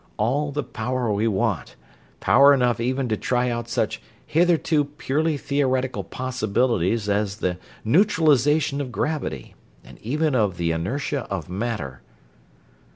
All the power we want power enough even to try out such hitherto purely theoretical possibilities as the neutralization of gravity, and even of the inertia of matter!"